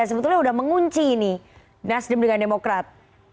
sebetulnya sudah mengunci ini nasdem dengan demokrat